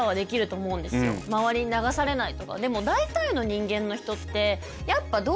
周りに流されないとか。